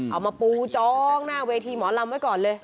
เอามาปูจองหน้าเวทีหมอลำไว้ก่อนเลย